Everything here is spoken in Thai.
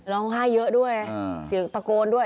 ร้องไห้เยอะด้วยเสียงตะโกนด้วย